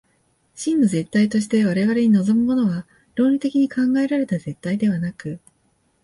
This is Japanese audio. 真の絶対として我々に臨むものは、論理的に考えられた絶対ではなく、